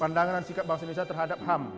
pandangan sikap bangsa indonesia terhadap ham